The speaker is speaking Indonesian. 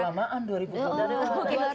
kelamaan dua puluh orang